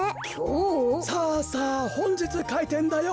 さあさあほんじつかいてんだよ。